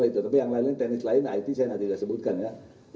tapi yang lain lain teknis lain it saya nanti tidak sebutkan ya